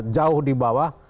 jauh di bawah